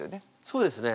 そうですね。